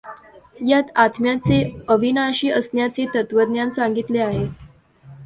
यात आत्म्याचे अविनाशी असण्याचे तत्त्वज्ञान सांगितले आहे.